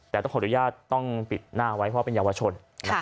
แต่ต้องขออนุญาตต้องปิดหน้าไว้เพราะเป็นเยาวชน